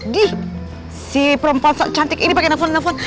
dih si perempuan cantik ini pake nevon nevon